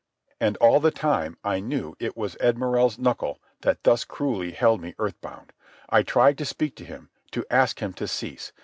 And all the time I knew it was Ed Morrell's knuckle that thus cruelly held me earth bound. I tried to speak to him, to ask him to cease.